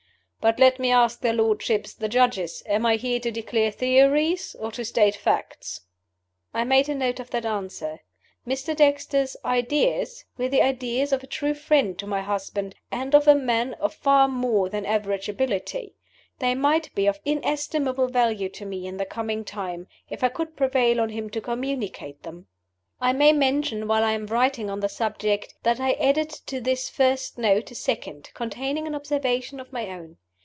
"But let me ask their lordships, the Judges: Am I here to declare theories or to state facts?" I made a note of that answer. Mr. Dexter's "ideas" were the ideas of a true friend to my husband, and of a man of far more than average ability. They might be of inestimable value to me in the coming time if I could prevail on him to communicate them. I may mention, while I am writing on the subject, that I added to this first note a second, containing an observation of my own.